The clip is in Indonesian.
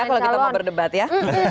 tapi kalau kita mau berdebat ya